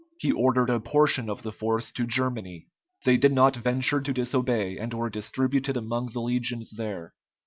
He ordered a portion of the force to Germany. They did not venture to disobey, and were distributed among the legions there.